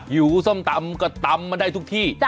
หิวส้มตำก็ตำมาได้ทุกที่